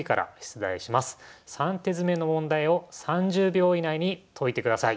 ３手詰の問題を３０秒以内に解いてください。